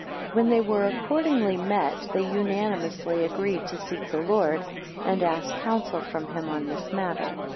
11 When they were accordingly met, they unanimously agreed to seek the Lord, and ask counsel from him on this matter.